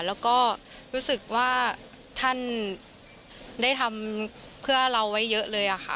แล้วก็รู้สึกว่าท่านได้ทำเพื่อเราไว้เยอะเลยค่ะ